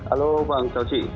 alo vâng chào chị